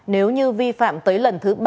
nếu như vi phạm tới lần thứ ba